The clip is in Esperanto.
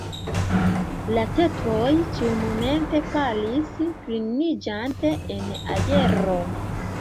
La tetroj ĉiumomente falis, turniĝante en aero.